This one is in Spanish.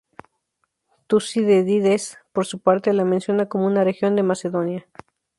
Tucídides, por su parte, la menciona como una región de Macedonia.